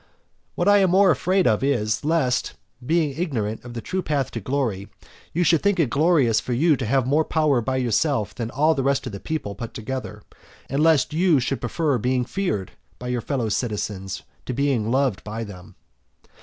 XIV. What I am more afraid of is lest, being ignorant of the true path to glory, you should think it glorious for you to have more power by yourself than all the rest of the people put together, and lest you should prefer being feared by your fellow citizens to being loved by them.